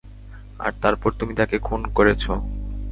আর তারপর তুমি তাকে খুন করেছো!